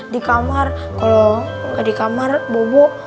di kamar kalau nggak di kamar bobo